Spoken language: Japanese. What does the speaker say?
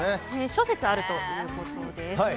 諸説あるということです。